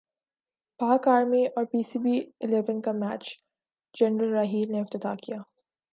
پاک ارمی اور P C B eleven کا میچ جنرل راحیل نے افتتاح کیا